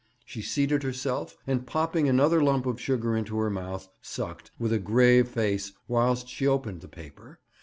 She seated herself, and, popping another lump of sugar into her mouth, sucked, with a grave face, whilst she opened the paper.